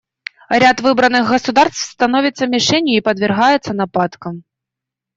Ряд выбранных государств становится мишенью и подвергается нападкам.